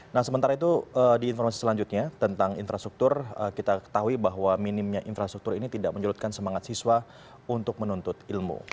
nah sementara itu di informasi selanjutnya tentang infrastruktur kita ketahui bahwa minimnya infrastruktur ini tidak menyurutkan semangat siswa untuk menuntut ilmu